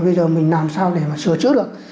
bây giờ mình làm sao để mà sửa trước được